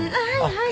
はい。